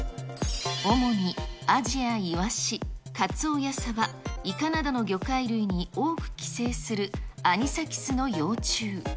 主にアジやイワシ、カツオやサバ、イカなどの魚介類に多く寄生するアニサキスの幼虫。